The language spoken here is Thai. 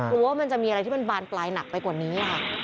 ว่ามันจะมีอะไรที่มันบานปลายหนักไปกว่านี้ค่ะ